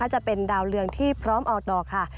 จะเป็นดาวเรืองที่พร้อมออกดอกค่ะ